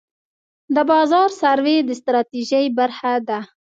د بازار سروې د ستراتیژۍ برخه ده.